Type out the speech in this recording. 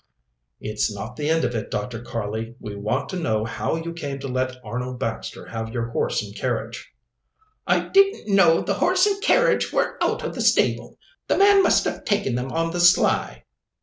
"It's not the end of it, Dr. Karley. We want to know how you came to let Arnold Baxter have your horse and carriage." "I didn't know the horse and carriage were out of the stable. The man must have taken them on the sly."